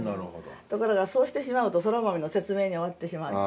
ところがそうしてしまうとそら豆の説明に終わってしまう。